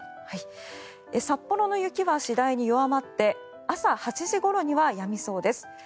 札幌の雪は次第に弱まって朝８時ごろにはやみそうです。